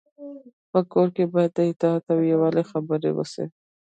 په کور کي باید د اتحاد او يووالي خبري وسي.